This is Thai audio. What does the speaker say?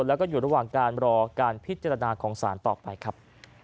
แล้วก็อยู่ระหว่างการรอการพิจารณาของสารต่อไปครับ